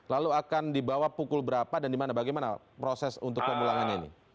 lalu akan dibawa pukul berapa dan di mana bagaimana proses untuk pemulangannya ini